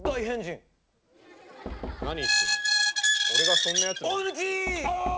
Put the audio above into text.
俺がそんなやつに。